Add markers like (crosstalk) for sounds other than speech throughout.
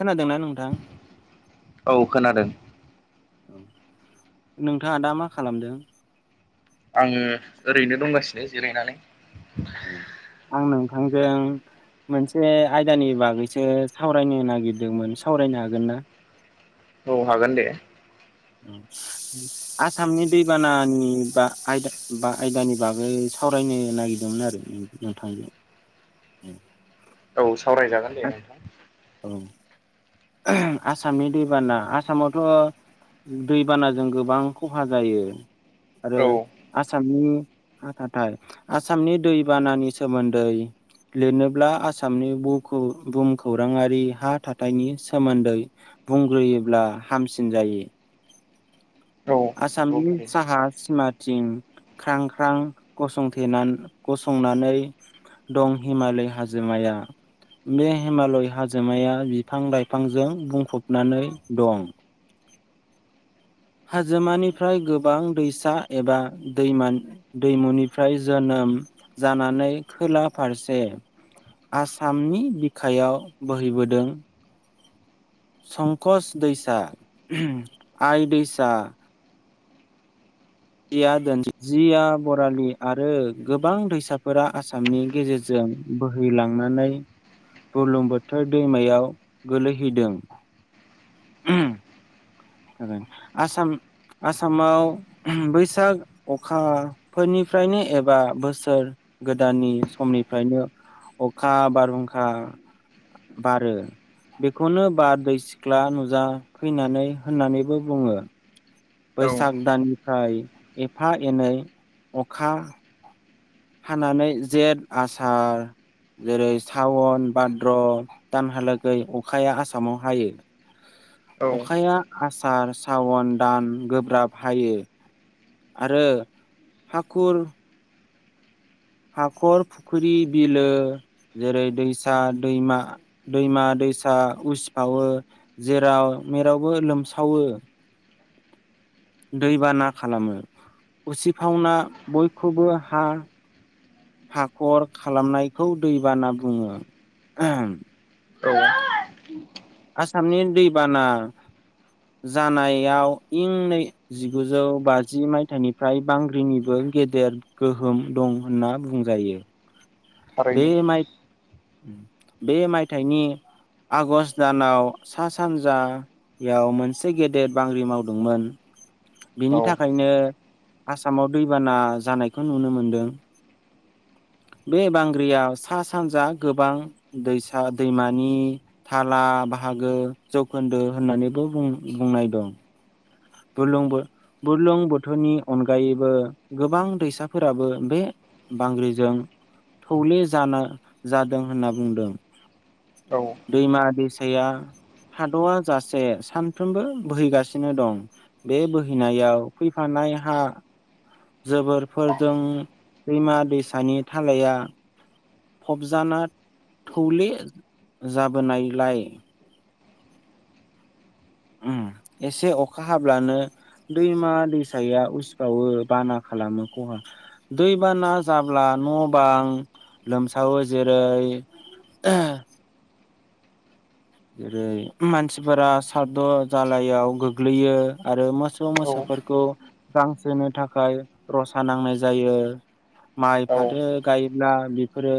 खोनादोंना नोंथां? औ खोनादों। औ नोंथाङा दा मा खालामदों? आङो ओरैनो दंगासिनो जिरायनानै। आं नोंथांजों मोनसे आयदानि बागैसो सावरायनो नागिरदोंमोन सावरायनो हागोन ना? औ हागोन दे। आसामनि दैबानानि बा आय बा आयदानि बागै। सावरायनो नागिरदोंमोन आरो नोंथांजों। औ सावरायजागोन दे नोंथां। औ। आसामनि दैबाना आसामावथ' दैबानाजों गोबां खहा जायो आरो नोंथां आसामनि। थाय आसामनि दैबानानि सोमोन्दै लिरनोब्ला आसामनि बहुमखौराङारि हा थाथायनि सो सोमोन्दै बुंग्रोयोब्ला हामसिन जायो। आसामनि साहा सिमाथिं ख्रां ख्रां गसंथेनानै गसंनानै दं हिमालय हाजोमाया। बे हिमालय हाजोमाया बिफां-लाइफांजों बुंफबनानै दं। हाजोमानिफ्राय गोबां दैसा एबा दैमानि दैमुनिफ्राय जोनोम जानानै खोला फारसे आसामनि बिखायाव बोहैबोदों। संकस दैसा आइ दैसा। जिया दोन जिया बरालि आरो गोबां दैसाफोरा आसामनि गेजेरजों बोहैलांनानै बुलुं बोथोर दैमायाव गोलैहैदों। ओ। जाब आसाम आसामाव। बैसाग अखा फोरनिफ्रायनो एबा बोसोर गोदाननि समनिफ्रायनो अखा बारहुंखा। बारो बेखौनो बारदै सिख्ला नुजा फैनानै होननानैबो बुङो। औ बैसाग दाननिफ्राय एफा एनै अखा हानानै जेत आसार। जेरै सावन भाद्र' दानहालागै अखाया आसामाव हायो। औ नंगौ थारैनो औ अखाया आसार सावन दान गोब्राब हायो। आरो हाखुर। हाखर फुख्रि बिलो जेरै दैसा दैमा। दैमा दैसा उसिफावो। जेराव मेरावबो लोमसावो। दैबाना खालामो उसिफावना बयखौबो हा। हाखर खालामनायखौ दैबाना बुङो। अ आसामनि दैबाना जानायाव इं नै जिगुजौ बाजि मायथाइनिफ्राय बांग्रिनिबो गेदेर गोहोम दं होनना बुंजायो। बे थारैनो माय बे मायथाइनि। आगषट दानाव सा सानजा। याव मोनसे गेदेेर बांग्रि मावदोंमोन बिनि औ थाखायनो। आसामाव दैबाना जानायखौ नुनो मोनदों बे बां याव सा सानजा गोबां दैसा दैमानि। थाला बाहागो जौखोन्दो होननानैबो बुंनाय दं। बुरलुं बुरलुंबुथुरनि अनगायैबो गोबां दैसाफोराबो बे। बांग्रिजों थौले जाना जादों होनना बुंदों औ दैमा दैसाया थाद'आ जासे सानफ्रोमबो बोहैगासिनो दं बे बोहैनायाव फैफानाय हा जोबोरफोरजों दैमा दैसानि थालाया फबजाना थौले जाबोनायलाय उम एसे अखा हाब्लानो दैमा दैसाया उसिबावो बाना खालामो खहा दैबाना जाब्ला न' बां लोमसावो जेरै (inaudible) जेरै मानसिफोरा सादद' जालायाव गोग्लैयो आरो मो मोसौ औ मोसाफोरखौ गांसोनो थाखाय रसा नांनाय जायो माइ औ फाथो गायोब्ला बेफोरो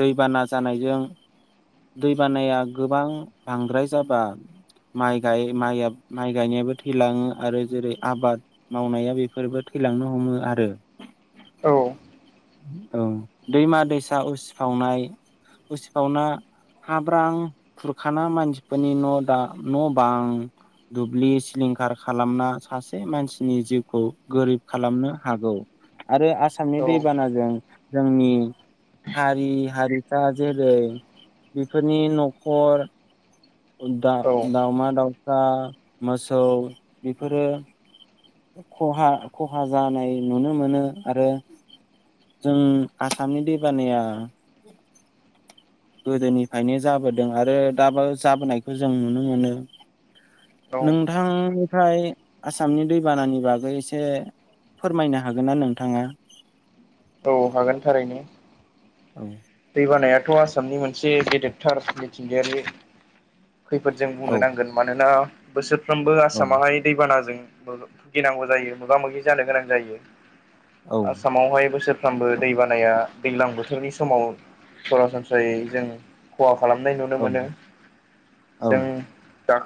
दैबाना जानायजों दैबानाया गोबां बांद्राय जाबा माइ गाइ माइ गायनायाबो थैलाङो आरो जेरै मावनाया बेफोरबो थैलांनो हमो आरो औ औ दैमा दैसा उसिफावनाय उसिफावना हाब्रां खुरखाना मानसिफोरनि न' दा न' बां दुब्लि सिलिंखार खालामना सासे मानसिनि जिउखौ गोरिब खालामनो हागौ आरो आसा आसामनि दैबानाजों जोंनि हारि हारिसा जेरै बेफोरनि न'खर दा औ दावमा दाउ सा मोसौ बेफोरो खहा खहा जानाय नुनो मोनो आरो जों आसामनि दैबानाया गोदोनिफ्रायनो जाबोदों आरो दाबो जाबोनायखौ जों नुनो मोनो औ नोंथांनिफ्राय आसामनि दैबानानि बागै एसे फोरमायनो हागोन ना नोंथाङा औ हागोन थारैनो (inaudible) दै बानायाथ' आसामनि मोनसे गेदेरथार मिथिंगायारि खैफोदजों बुंनो औ नांगोन मानोना बोसोरफ्रोमबो औ आसामावाहाय दैबानाजों भुगिनांगौ जायो मोगा -मोगि जानो गोनां जायो। औ आसामावहाय बोसोरफ्रामबो दै बानाया दैज्लां बोथोरनि समाव सरासनस्रायै जों खहा खालामनाय नुनो औ मोनो। जों दा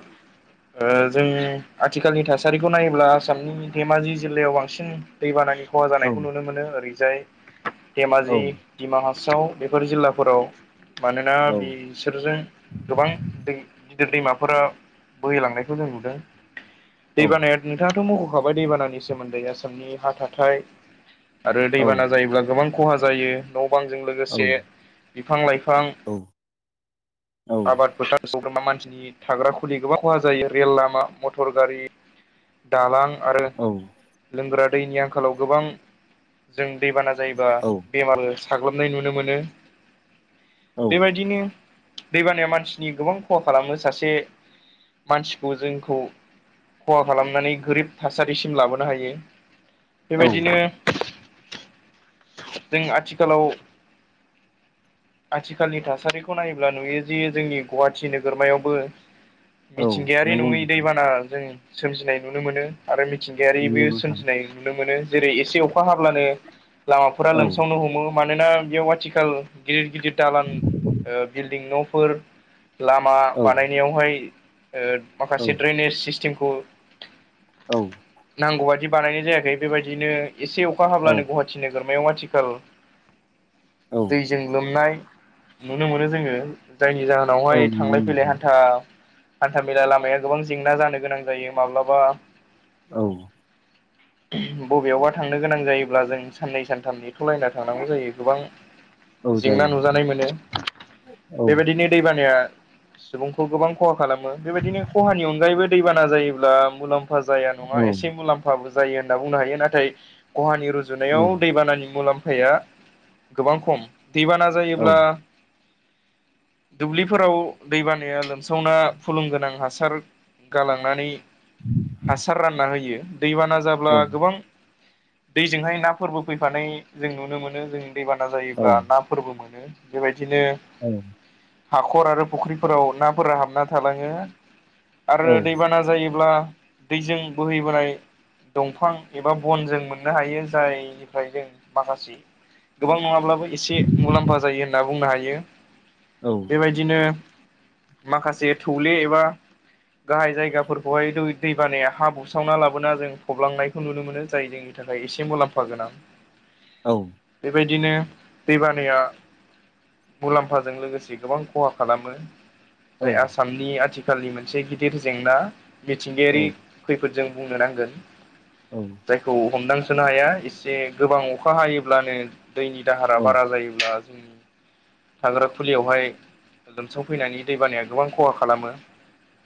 जों आथिखालनि थासारिखौ नायोब्ला आसामनि धेमाजि जिल्लायाव बांसिन दैबानानि खहा औ जानायखौ नुनो मोनो ओरैजाय औ धेमाजि, दिडिमा हासाव बेफोर जिल्लाफोराव मानोना औ बि बिसोरजों गोबां दै गिदिर दैमाफोरा बोहैलांनायखौ जों नुदों। औ दैबानाया नोंथाङाथ' मख'खाबाय दैबानानि सोमोन्दै आसामनि हा थाथाय आरो औ दैबाना जायोब्ला गोबां खहा जायो न' बांजों औ लोगोसे बिफां -लाइफां औ आबाद फोथार सग्रा मानसिनि थाग्रा खुलि गोबां खहा जायो रेल लामा मटर -गारि दालां आरो लोंग्रा दैनि आंखालाव गोबां जों दैबाना जायोबा बेमार साग्लोबनाय नुनो मोनो। औ बेबायदिनो दैबानाया मानसिनि गोबां खहा खालामो सासे मानसिखौ जोंखौ खहा खालामनानै गोरिब थासारिसिम लाबोनो हायो। औ बेबायदिनो जों आथिखालाव आथिखालनि थासारिखौ नाय अब्ला नुयो जे जोंनि गुवाहाटि नोगोरमायावबो औ मिथिंगायारि नंगौ नङै नोंथां दैबाना जों सोमजिनाय नुनो मोनो। आरो मिथिंगायारिबो नंगौ नोंथां सोमजिनाय नुनो मोनो जेरै एसे अखा हाब्लानो लामाफोरा औ लोमसावनो हमो मानोना बेयाव आथिखाल गिदिर- गिदिर दालान ओ बिल्डिं नफोर लामा औ बानायनायावहाय ओ औ माखासे दड्रेनेज सिस्टेमखौ औ नांगौ बादि बानायनाय जायाखै बेबायदिनो एसे अखा औ हाब्लानो गुवाहाटी खाथि नोगोरमायाव आथिखाल औ दैजों लोमनाय नुनो मोनो। जोङो जायनि औ जाहोनावहाय नंगौ थांलाय -फैलाय नोंथां हान्था हान्थामेला लामाया गोबां जेंना जानो गोनां जायो। माब्लाबा औ बबेयावबा थांनो गोनां जायोब्ला जों साननै सानथाम नेथ ' लायना थांनांगौ जायो गोबां औ जेंना जायो नुजानाय मोनो। औ बेबायदिनो दैबानाया सुबुंखौ गोबां खहा खालामो बेबायदिनो खहानि अनगायैबो दैबाना जायोब्ला मुलाम्फा मुलाम्फा जाया नाङा औ एसे मुलाम्फा बो जायो होनना बुनो हायो नाथाय खहानि रुजुनायाव रुजुनायाव दैबानानि मुलाम्फाया गोबां खम दैबाना औ जायोब्ला दुब्लिफोराव दैबानाया लोमसावना फुलुं गोनां हासार गालांनानै हासार रानना होयो। दैबाना जाब्ला औ गोबां दैजोंहाय नाफोरबो फैफानाय जों नुनो मोनो। जों दैबाना जायोब्ला ना फोरबो मोनो। बेबायदिनो औ हाखर आरो फुख्रिफोराव नाफोरा हाबना थालाङो औ आरो दैबाना जायोब्ला दैजों बोहैबोनाय दंफां एबा बन जों मोननो हायो जायनिफ्राय जों माखासे गोबां नङाब्लाबो एसे मुलाम्फा जायो होनना बुंनो हायो। औ बेबायदिनो माखासे थौले एबा गाहाय जायगाफोरखौहाय दैबानाया हा बुस्रावना लाबोना जों फबलांनायखौ नुनो मोनो जाय जोंनि थाखाय एसे मुलाम्फा गोनां। औ बेबायदिनो दैबानाया मुलाम फा जों लोगोसे गोबां खहा खालामो जाय। आसामनि आथिखाल नि मोनसे गिदिर जेंना औ मिथिंगायारि खैफोदजों बुंनो नांगोन। औ जायखौ हमदांसोनो हाया एसे गोबां अखा हायोब्लानो दैनि दाहारा औ बारा जायोब्ला उम थाग्रा खुलियावहाय लोमसांफैनायनि दैबानाया गोबां खहा खालामो।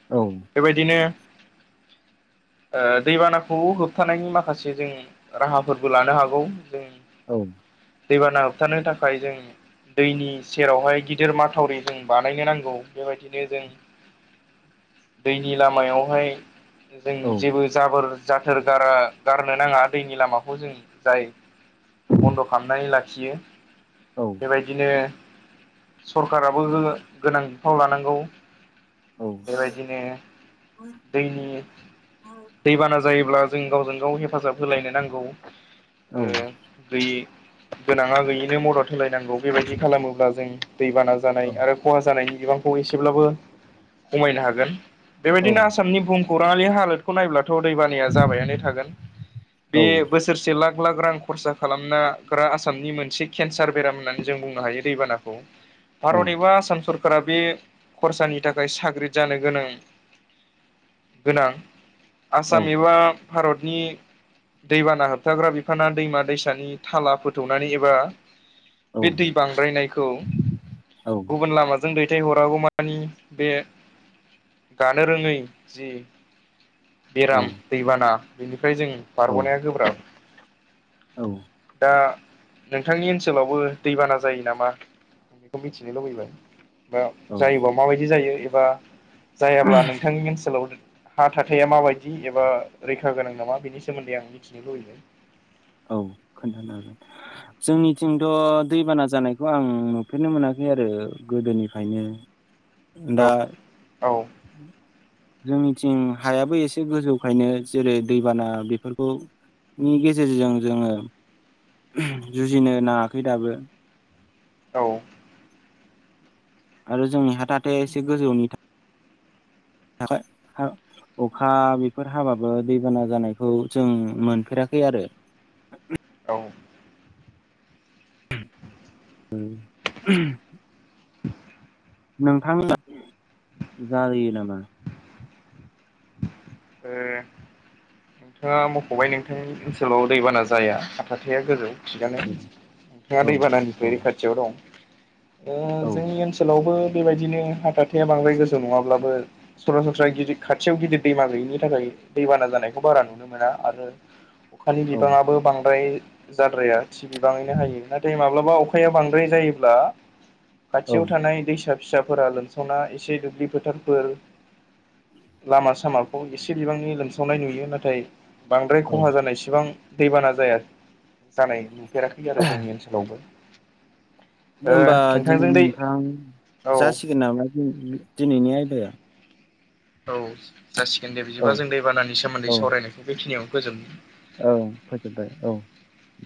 औ बेबायदिनो ओ दैबानाखौ होबथानायनि माखासे जों राहाफोरबो लानो हागौ जों। औ दैबाना होबथानो थाखाय जों दैनि सेरावहाय गिदिर माथावरि जों बानायनो नांगौ बेबायदिनो जों दैनि लामायावहाय जों औ जेबो जाबोर जाथोर गारा गारनो नाङा दैनि लामाखौ जों जाय बन्द' खालामनानै लाखियो। औ बेबायदिनो सरखाराबो गोनां बिफाव लानांगौ। औ औ बेबायायदिनो दैनि दैबाना जायोब्ला जों गावजों गाव हेफाजाब होलायनो नांगौ। ओ औ गैयि गोनाङा गैयैनो मदद होलायनांगौ बेबायदि खालामो अब्ला जों दैबाना औ जानाय आरो खहा जानायनि बिबांखौ एसेब्लाबो खमायनो हागोन। बेबायदिनो आसामनि भुुमखौराङलि हालोदखौ नायब्ला थ दैबानाया जाबायनानै थागोन बे बोसोर बोरसे लाख लाख रां खरसा खालामनग्रा आसामनि मोनसे केन्सार बेराम होननानै जों बुंनो हायो। दैबानाखौ भारत एबा आसाम सरका बे खरसानि थाखाय साग्रिद जानो गोनां गोनां। आसाम एबा भारतनि दैबाना होबथाग्रा बिफाना दैमा दैसानि थाला फोथौनानै एबा बे दै बांद्रायनायखौ गुब गुबुन लामाजों दैथायहरगौ मानि बे गानो रोङै जि बेराम दैबाना बेनिफ्राय जों बारग'नाया गोब्राब। औ औ दा नोंथांनि ओनसोलावबो दैबाना जायो नामा? आ बेखौ मिथिनो लुबैबाय? औ जायोबा माबायदि जायो एबा जायाब्ला नोंथांनि ओनसोलाव हााथार खोथायाइा माबायदि एबा रैखा गोनां नामा बेनि सोमोन्दै आं मिथिनो लुबैदों? औ खोन्थानो हागोन। जोंनिथिंथ' दैबाना जानायखौ आं नुफेरनो मोनाखै आरो गोदोनिफ्रायनो। औ दा औ जोंनिथिं हायाबो एसे गोजौखायनो जेरै दैबाना बेफोरखौ नि गेजेरजों जोङो जुजिनो नाङाखै दाबो। औ आरो जोंनि हा थाहाथे एसे गोजौनि अखा बेफोर हाबाबो दैबाना जानायखौ जों मोनफेराखै आरो। (inaudible) औ ओं (unintelligible) (inaudible) नोंथांमोना जायो नामा? ओ नोंथाङा मख'बाय नोंथांनि ओनसोलाव दैबाना जाया हाथाथेया गोजौ थिगानो नोंथाङा औ औ दैबानानिफ्राय रैखाथियाव दं ओ औ जोंनि ओनस सोलावबो बेबायदिनो हाथाथेया बांद्राय गोजौ नङाब्लाबो सरासनस्रा गिद खाथियाव गिदिर दैमा गैयिनि नि थाखाय दैबाना जानायखौ बारा नुनो मोना आरो अखानि बिबाङाबो बांद्राय जाद्राया थि बिबाङैनो हायो नाथाय माब्लाबा अखाया बांद्राय जायोब्ला औ खाथियाव थानाय दैसा फिसाफोरा लोमसावना एसे दुब्लि फोथारफोर लामा सामाखौ एसे बिबांनि लोमसावनाय नुयो नाथाय बांद्राय औ खहा जानाय इसिबां दैबाना जाया जानाय नुफेराखै आरो जोंनि ओनसोलाव लावबो होमबा दिनै नोंथां औ जासिगोन नामा दिनिनि दिनैनि आयदाया औ जासिगोन दे औ बिदिबा जों दैबानानि सोमोन्दै औ सावरायनायखौ बेखिनियावनो फोजोबनि औ फोजोबबाय औ दे